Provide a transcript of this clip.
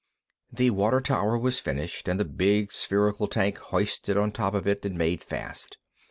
The water tower was finished, and the big spherical tank hoisted on top of it and made fast.